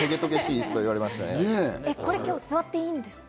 これ今日、座っていいんですか？